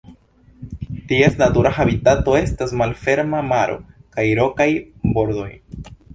Ties natura habitato estas malferma maro kaj rokaj bordoj.